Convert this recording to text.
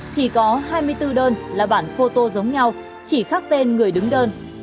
thì có hai mươi bốn đơn là bản phô tô giống nhau chỉ khác tên người đứng đơn